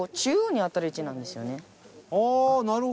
ああなるほど！